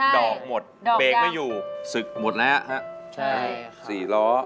ดอกหมดเบรกไม่อยู่ศึกหมดแล้วฮะใช่๔ล้อ